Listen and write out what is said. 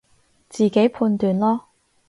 自己判斷囉